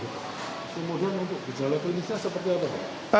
kejala klinisnya seperti apa